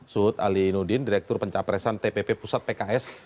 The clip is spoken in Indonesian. suhut ali nudin direktur pencaparesan tpp pusat pks